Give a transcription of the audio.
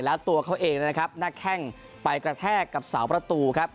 แล้วตัวเขาเองนะครับหน้าแข้งไปกระแทกกับเสาประตูครับ